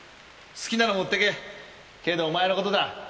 好きなの持ってけ。けどお前の事だ。